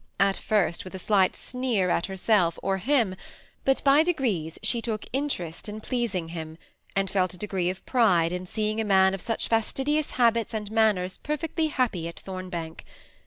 At first, with a slight sneer at herself, or him, but by degrees she took interest in pleasing him, and felt a degree of pride, in seeing a man of such fastidious habits and manners perfectly happy at Thornbank.